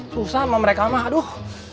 susah sama mereka mah aduh